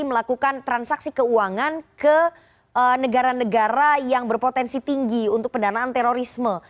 melakukan transaksi keuangan ke negara negara yang berpotensi tinggi untuk pendanaan terorisme